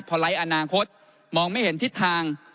พอไร้อนาคตมองไม่เห็นทิศทาง